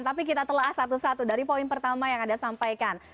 tapi kita telah satu satu dari poin pertama yang anda sampaikan